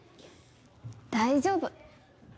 大丈夫。